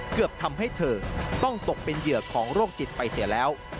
เกือบทำให้เธอต้องตกเป็นเหยื่อของโรคจิตไปเสียแล้ว